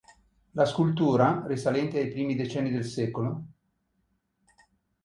La scultura, risalente ai primi decenni del sec.